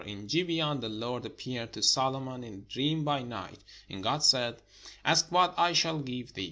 In Gibeon the Lord appeared to Solomon in a dream by night: and God said: "Ask what I shall give thee."